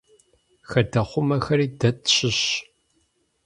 Хадэхъумэхэри дэ тщыщщ.